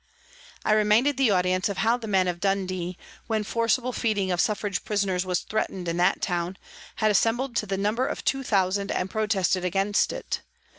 I reminded the audience of how the men of Dundee, when forcible feeding of Suffrage prisoners was threatened in that town, had assembled to the number of two thousand and protested against it.